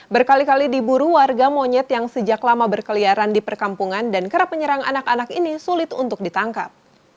berkali kali diburu warga monyet yang sejak lama berkeliaran di perkampungan dan kerap menyerang anak anak ini sulit untuk ditangkap